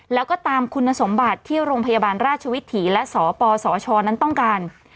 แล้วก็ตามคุณสมบัติที่โรงพยาบาลราชวิถีและสปสชนั้นต้องการ